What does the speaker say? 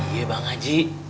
iya bang haji